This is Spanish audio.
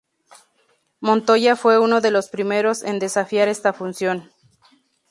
Montoya fue uno de los primeros en desafiar esta función.